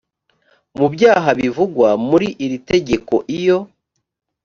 mu byaha bivugwa muri iri tegeko iyo